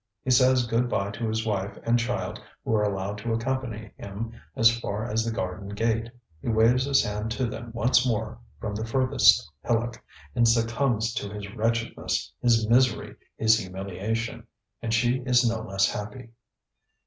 He says good bye to his wife and child who are allowed to accompany him as far as the garden gate, he waves his hand to them once more from the furthest hillock, and succumbs to his wretchedness, his misery, his humiliation. And she is no less unhappy.